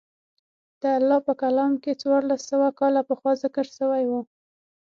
د الله په کلام کښې څوارلس سوه کاله پخوا ذکر سوي وو.